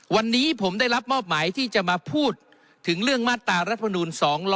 วันนี้ผมได้รับมอบหมายที่จะมาพูดถึงเรื่องมาตรารัฐมนูล๒๕๖๒